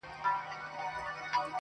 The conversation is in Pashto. چا مي وویل په غوږ کي!